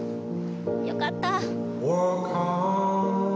良かった。